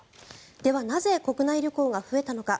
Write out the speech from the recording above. ではなぜ国内旅行が増えたのか。